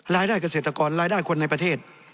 รายได้เกษตรกรรายได้คนในประเทศ